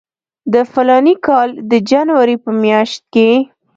د فلاني کال د جنوري په میاشت کې.